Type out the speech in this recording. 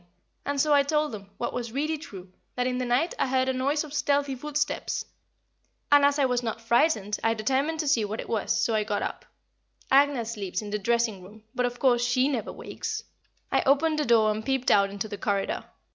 and so I told them, what was really true, that in the night I heard a noise of stealthy footsteps, and as I was not frightened I determined to see what it was, so I got up Agnès sleeps in the dressing room, but, of course, she never wakes I opened the door and peeped out into the corridor.